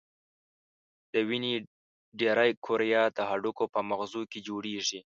د وینې ډېری کرویات د هډوکو په مغزو کې جوړیږي.